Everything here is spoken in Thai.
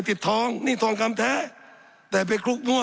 สับขาหลอกกันไปสับขาหลอกกันไป